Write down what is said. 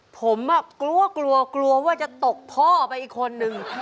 ผมกลัวกลัวว่าจะตกพ่อไปอีกคนนึง